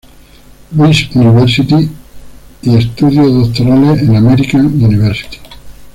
Louis University y estudios doctorales en American University.